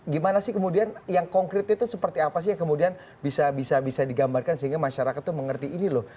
gimana sih kemudian yang konkret itu seperti apa sih yang kemudian bisa digambarkan sehingga masyarakat itu mengerti ini loh